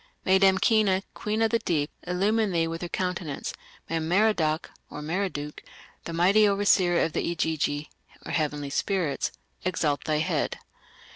"May Damkina, queen of the deep, illumine thee with her countenance; may Merodach (Marduk), the mighty overseer of the Igigi (heavenly spirits), exalt thy head."